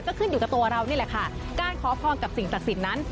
ก็ขึ้นอยู่กับตัวเรานี่แหละค่ะการขอพรกับสิ่งศักดิ์สิทธิ์นั้น